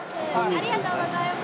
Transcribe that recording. ありがとうございます。